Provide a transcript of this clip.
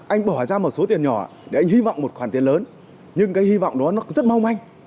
anh bỏ ra một số tiền nhỏ để anh hy vọng một khoản tiền lớn nhưng cái hy vọng đó nó rất mong manh